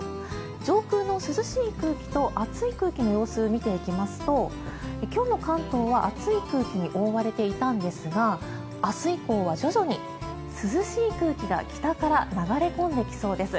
上空の涼しい空気と暑い空気の様子を見ていきますと今日の関東は暑い空気に覆われていたんですが明日以降は徐々に、涼しい空気が北から流れ込んできそうです。